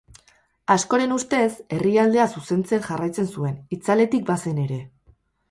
Askoren ustez, herrialdea zuzentzen jarraitzen zuen, itzaletik bazen ere.